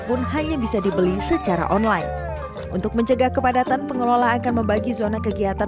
pun hanya bisa dibeli secara online untuk mencegah kepadatan pengelola akan membagi zona kegiatan